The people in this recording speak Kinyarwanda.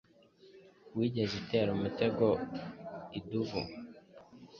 Wigeze utera umutego idubu?